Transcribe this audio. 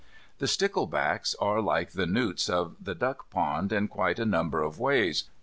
The sticklebacks are like the newts of the duck pond in quite a number of ways.